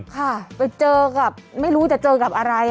ค่ะไปเจอกับไม่รู้จะเจอกับอะไร